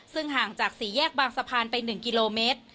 ซึ่งห่างจากสี่แยกบางสะพานไป๑กิโลเมตร